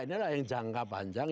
inilah yang jangka panjang